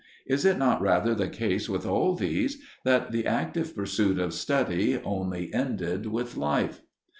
Is it not rather the case with all these that the active pursuit of study only ended with life?